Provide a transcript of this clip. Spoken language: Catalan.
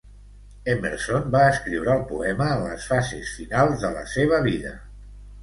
Emerson va escriure el poema en les fases finals de la seva vida.